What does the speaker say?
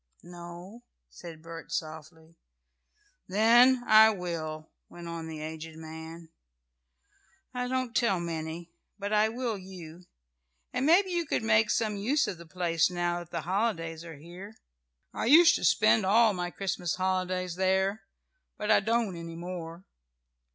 "No," said Bert, softly. "Then I will," went on the aged man. "I don't tell many, but I will you. And maybe you could make some use of the place now that the holidays are here. I used to spend all my Christmas holidays there, but I don't any more.